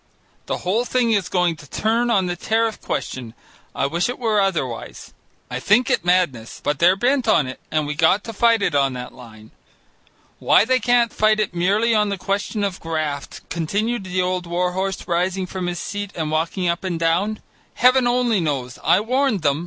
The whole thing is going to turn on the tariff question. I wish it were otherwise. I think it madness, but they're bent on it, and we got to fight it on that line. Why they can't fight it merely on the question of graft," continued the old war horse, rising from his seat and walking up and down, "Heaven only knows. I warned them.